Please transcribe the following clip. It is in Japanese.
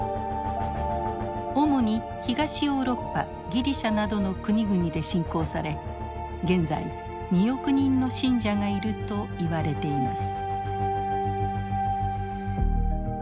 主に東ヨーロッパギリシャなどの国々で信仰され現在２億人の信者がいるといわれています。